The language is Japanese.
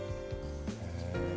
へえ。